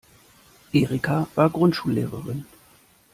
Erika war Grundschullehrerin.